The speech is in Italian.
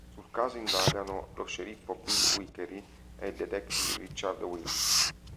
Sul caso indagano lo sceriffo Bill Vickery e il detective Richard Willis.